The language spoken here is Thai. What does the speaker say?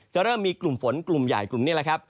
เริ่มมีกลุ่มฝนกลุ่มใหญ่กลุ่มนี้แหละครับ